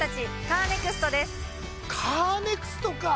カーネクストか！